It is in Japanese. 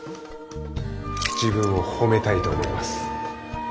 自分を褒めたいと思います。